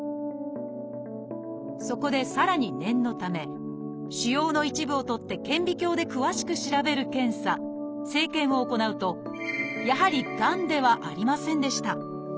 そこでさらに念のため腫瘍の一部をとって顕微鏡で詳しく調べる検査「生検」を行うとやはりがんではありませんでした。